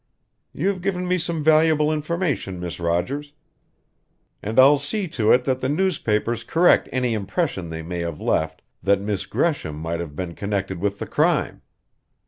"You've given me some valuable information, Miss Rogers; and I'll see to it that the newspapers correct any impression they may have left that Miss Gresham might have been connected with the crime.